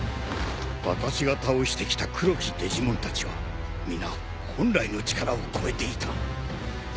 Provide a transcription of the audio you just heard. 私が倒してきた黒きデジモンたちは皆本来の力を超えていた。